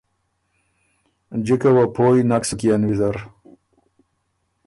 جِکه وه پوی نک سُک يېن ویزر۔